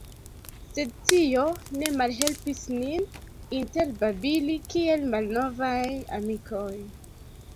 Sed tio ne malhelpis nin interbabili kiel malnovaj amikoj.